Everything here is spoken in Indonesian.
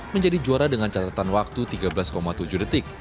menjadi juara dengan catatan waktu tiga belas tujuh detik